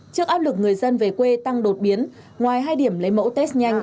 trước áp lực người dân về quê tăng đột biến ngoài hai điểm lấy mẫu test nhanh